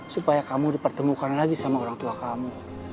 supaya kamu dipertemukan lagi sama orang tua kamu